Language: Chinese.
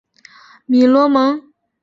米罗蒙。